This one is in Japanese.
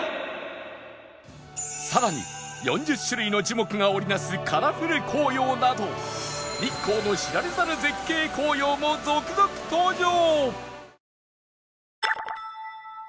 更に４０種類の樹木が織り成すカラフル紅葉など日光の知られざる絶景紅葉も続々登場！